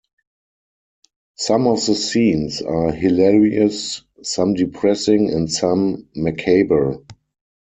Some of the scenes are hilarious, some depressing and some macabre.